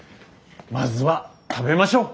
まずは食べましょう。